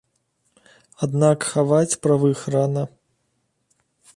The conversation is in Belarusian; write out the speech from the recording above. Аднак хаваць правых рана.